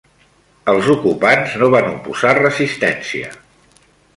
Els ocupants no van oposar resistència